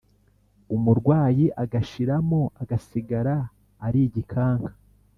umurwayi agashiramo, agasigara ari igikanka.